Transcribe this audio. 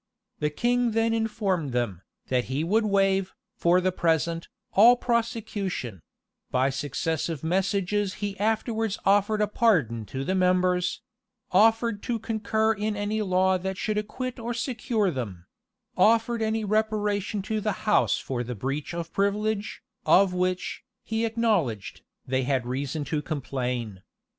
The king then informed them, that he would waive, for the present, all prosecution: by successive messages he afterwards offered a pardon to the members; offered to concur in any law that should acquit or secure them; offered any reparation to the house for the beach of privilege, of which, he acknowledged, they had reason to complain.